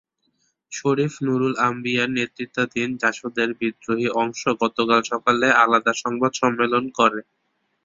শরীফ নূরুল আম্বিয়ার নেতৃত্বাধীন জাসদের বিদ্রোহী অংশ গতকাল সকালে আলাদা সংবাদ সম্মেলন করে।